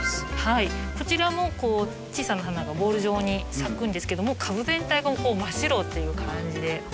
こちらも小さな花がボール状に咲くんですけどもう株全体が真っ白っていう感じで。